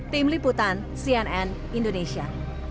tim liputan cnn indonesia